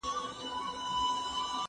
زه بايد ليکنې وکړم!؟